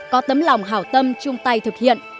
có tấm lòng hào tâm chung tay thực hiện